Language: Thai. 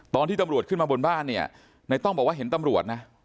ตอนที่ตำรวจขึ้นมาบนบ้านเนี่ยในต้องบอกว่าเห็นตำรวจนะ